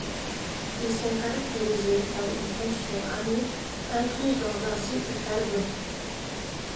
Ils sont caractérisés par une fonction amide incluse dans un cycle carboné.